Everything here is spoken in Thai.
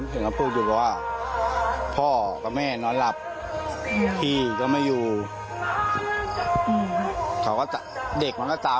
เห็นเขาพูดอยู่ว่า